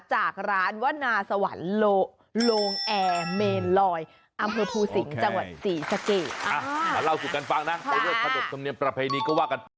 จากร้านว่านาสวรรค์โลงแอร์เมนลอยอำเภอภูสิงห์จังหวัดศรีสะเกะ